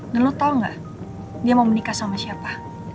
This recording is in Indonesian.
dan lo tau gak dia mau menikah sama siapa